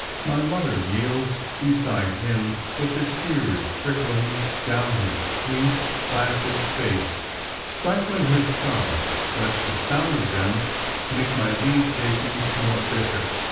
My mother kneels beside him with the tears trickling down her sweet, placid face, stifling her sobs lest the sound of them make my leave taking more bitter.